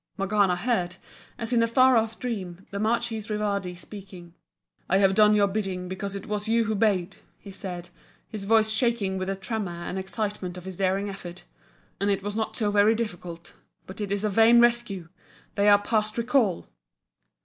Morgana heard, as in a far off dream, the Marchese Rivardi speaking "I have done your bidding because it was you who bade," he said, his voice shaking with the tremor and excitement of his daring effort "And it was not so very difficult. But it is a vain rescue! They are past recall."